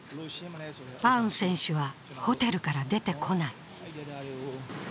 アウン選手はホテルから出てこない。